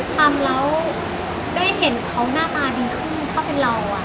ทำแล้วได้เห็นเขาหน้ากลายดีขึ้น